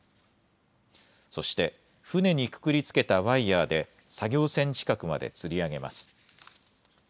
そして船にくくりつけたワイヤーで作業船近くまでつり上げます。